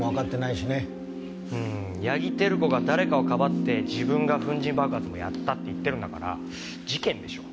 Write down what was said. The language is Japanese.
うーん八木照子が誰かを庇って自分が粉塵爆発をやったって言ってるんだから事件でしょ。